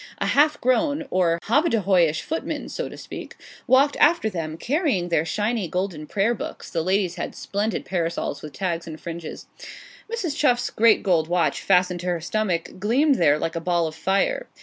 A half grown, or hobbadehoyish footman, so to speak, walked after them, carrying their shining golden prayer books the ladies had splendid parasols with tags and fringes. Mrs. Chuff's great gold watch, fastened to her stomach, gleamed there like a ball of fire.